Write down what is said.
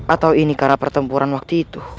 atau ini karena pertempuran waktu itu